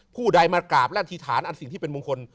ผู้ใดมากราบและอธิษฐานอันสิ่งที่เป็นมงคล